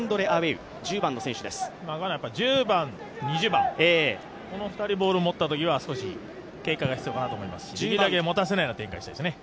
１０番、２０番、この２人、ボールを持ったときには少し警戒が必要かなと思いますしできるだけ持たせないような展開にしたいですよね。